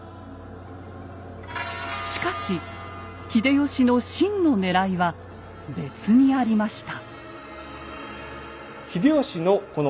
しかし秀吉の真のねらいは別にありました。